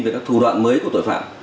về các thủ đoạn mới của tội phạm